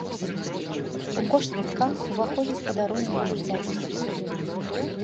У кошт квітка уваходзіць падарунак для дзіцяці.